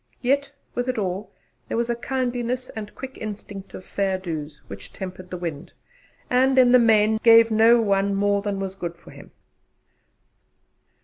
Yet, with it all, there was a kindliness and quick instinct of 'fair doos' which tempered the wind and, in the main, gave no one more than was good for him.